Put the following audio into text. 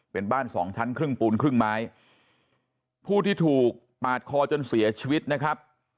เป็นบ้านสองชั้นครึ่งปูนครึ่งไม้ผู้ที่ถูกปาดคอจนเสียชีวิตนะครับ